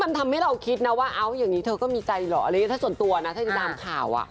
มันทำให้เราคิดนะว่าเธอก็มีใจหรอเอาอย่างนี้ส่วนตัวนะถ้าติดตามข่าว